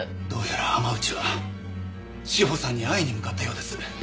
どうやら浜内は詩帆さんに会いに向かったようです。